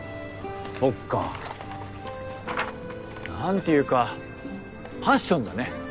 そっか。なんていうかパッションだね。